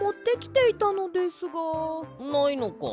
ないのか？